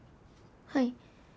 はい。